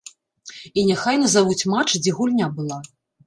І няхай назавуць матч, дзе гульня была!